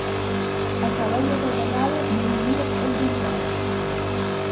A caballo regalado no le mires el dentado.